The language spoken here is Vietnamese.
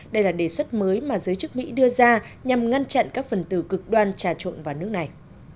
đây là đề xuất mới mà giới chức mỹ đưa ra nhằm ngăn chặn các phần tử cực đoan trà trộn vào nước này